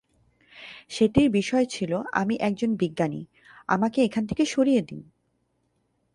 সেটির বিষয় ছিলো "আমি একজন বিজ্ঞানী, আমাকে এখান থেকে সরিয়ে দিন!"